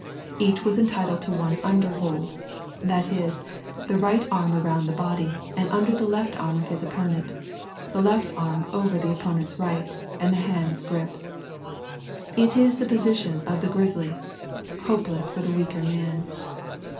Each was entitled to one underhold, that is, the right arm around the body and under the left arm of his opponent, the left arm over the opponent's right, and the hands gripped. It is the position of the grizzly, hopeless for the weaker man.